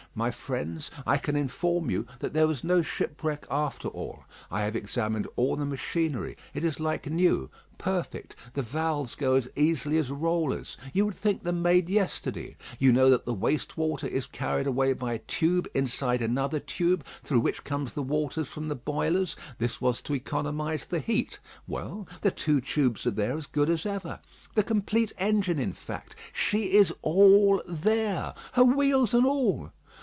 My friends, I can inform you that there was no shipwreck after all. I have examined all the machinery. It is like new, perfect. The valves go as easily as rollers. You would think them made yesterday. You know that the waste water is carried away by a tube inside another tube, through which come the waters from the boilers; this was to economise the heat. Well; the two tubes are there as good as ever. The complete engine, in fact. She is all there, her wheels and all.